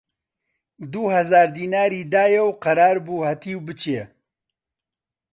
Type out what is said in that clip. دوو هەزار دیناری دایە و قەرار بوو هەتیو بچێ